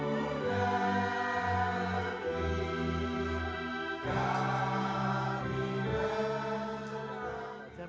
pada mulia ini kami menjanji